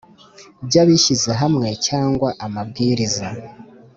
By abishyizehamwe cyangwa amabwiriza